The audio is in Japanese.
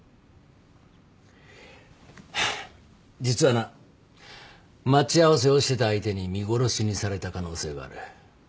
実はな待ち合わせをしてた相手に見殺しにされた可能性がある。